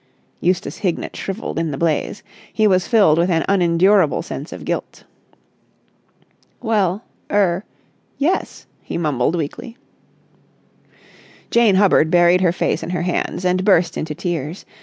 Eustace Hignett shrivelled in the blaze. He was filled with an unendurable sense of guilt. "Well—er—yes," he mumbled weakly. Jane Hubbard buried her face in her hands and burst into tears.